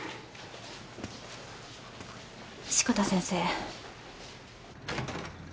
志子田先生。